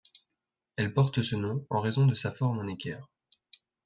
Elle porte ce nom en raison de sa forme en équerre.